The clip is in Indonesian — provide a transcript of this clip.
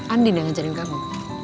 andin yang ngajarin kamu